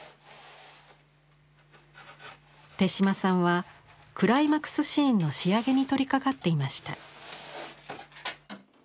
手島さんはクライマクスシーンの仕上げに取りかかっていました。